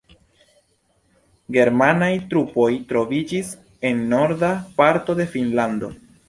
Germanaj trupoj troviĝis en norda parto de Finnlando.